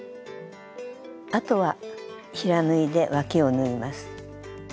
あとは平縫いでわきを縫います。